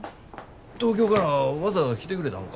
東京からわざわざ来てくれたんか？